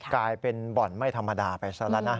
กลายเป็นบ่อนไม่ธรรมดาไปซะแล้วนะ